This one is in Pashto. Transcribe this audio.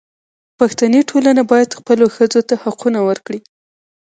پښتني ټولنه باید خپلو ښځو ته حقونه ورکړي.